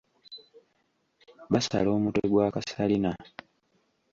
Basala omutwe gwa Kasalina.